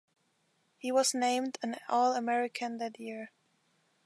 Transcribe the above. He was named an All American that year.